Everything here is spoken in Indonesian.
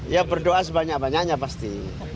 ya berdoa sebanyak banyaknya pasti